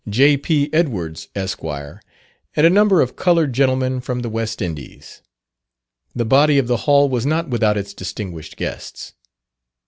J.P. Edwards, Esq., and a number of coloured gentlemen from the West Indies. The body of the hall was not without its distinguished guests.